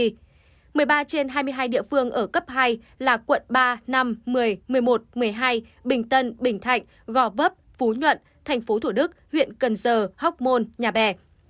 một mươi ba trên hai mươi hai địa phương ở cấp hai là quận ba năm một mươi một mươi một một mươi hai bình tân bình thạnh gò vấp phú nhuận tp thủ đức huyện cần giờ học môn nhà bè